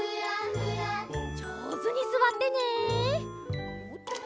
じょうずにすわってね！